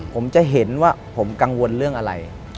ผมจะเห็นว่าผมกังวลเรื่องอะไร